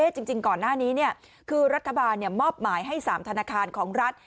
จริงก่อนหน้านี้คือรัฐบาลมอบหมายให้๓ธนาคารของรัฐ